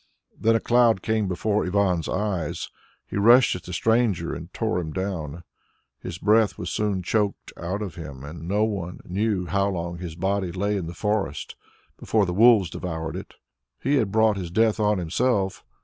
Then a cloud came before Ivan's eyes; he rushed at the stranger and tore him down. His breath was soon choked out of him, and no one knew how long his body lay in the forest before the wolves devoured it. He had brought his death on himself.